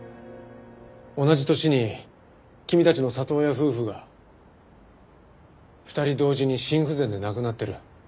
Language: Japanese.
同じ年に君たちの里親夫婦が２人同時に心不全で亡くなってる。